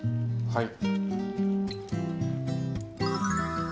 はい。